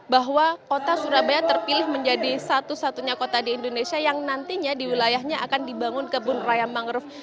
bahwa kota surabaya terpilih menjadi satu satunya kota di indonesia yang nantinya di wilayahnya akan dibangun kebun raya mangrove